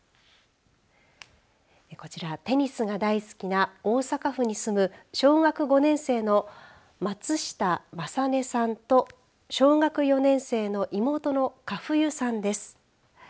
こちらテニスが大好きな大阪府に住む小学５年生の松下理音さんと小学４年生の妹の佳冬さんです。